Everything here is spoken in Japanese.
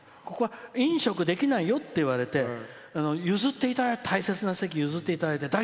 ここは飲食できないよって言われて大切な席を譲っていただいた。